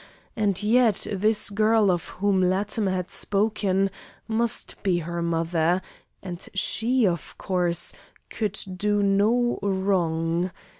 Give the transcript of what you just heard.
And yet this girl of whom Latimer had spoken must be her mother, and she, of course, could do no wrong.